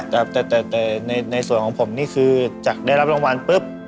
แต่ในส่วนของผมนี่คือจากได้รับรางวัลปุ๊บ